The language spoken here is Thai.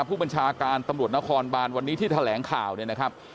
ผู้บัญชาการตำรวจนครบานวันนี้ที่แถลงข่าวเนี่ยนะครับ